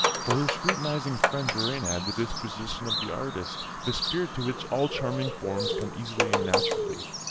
For her scrutinising friend Verena had the disposition of the artist, the spirit to which all charming forms come easily and naturally.